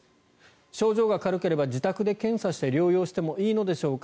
症状が軽ければ自宅で検査して療養してもいいのでしょうか。